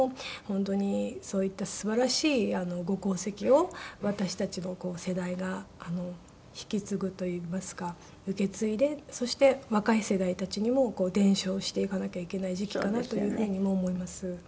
本当にそういったすばらしいご功績を私たちの世代が引き継ぐといいますか受け継いでそして若い世代たちにも伝承していかなきゃいけない時期かなというふうにも思います。